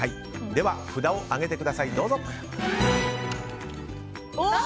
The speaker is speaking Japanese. では、札を上げてください。